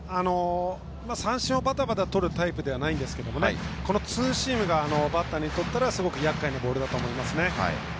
三振をばたばたとるタイプではないんですけれどもこのツーシームがバッターにとっては非常にやっかいだと思います。